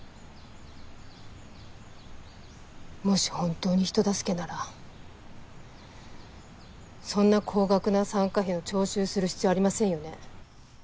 もし本当に人助けならそんな高額な参加費を徴収する必要ありませんよね？